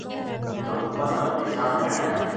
د حکومت او نظام اډانه.